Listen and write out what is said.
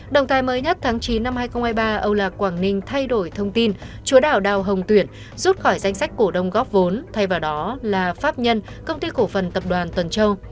động thái mới nhất tháng chín năm hai nghìn hai mươi ba âu lạc quảng ninh thay đổi thông tin chúa đảo đào hồng tuyển rút khỏi danh sách cổ đông góp vốn thay vào đó là pháp nhân công ty cổ phần tập đoàn tuần châu